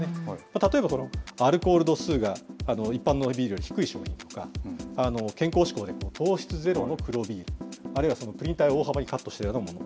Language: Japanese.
例えば、このアルコール度数が一般のビールより低い商品とか、健康志向の糖質ゼロの黒ビール、あるいはプリン体を大幅にカットしたようなもの。